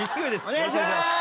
よろしくお願いします